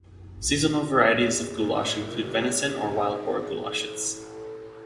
Seasonal varieties of goulash include venison or wild boar goulashes.